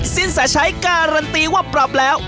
สินแสชัยการันตีว่าปรับแล้ว